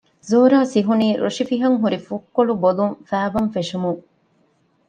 ޒޯރާ ސިހުނީ ރޮށިފިހަން ހުރި ފުށްކޮޅު ބޮލުން ފައިބަން ފެށުމުން